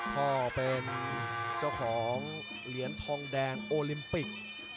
ก็เป็นเจ้าของเหรียญทองแดงโอลิมปิก